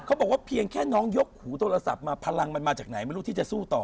เขาบอกว่าเพียงแค่น้องยกหูโทรศัพท์มาพลังมันมาจากไหนไม่รู้ที่จะสู้ต่อ